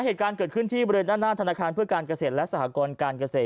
เหตุการณ์เกิดขึ้นที่บริเวณด้านหน้าธนาคารเพื่อการเกษตรและสหกรการเกษตร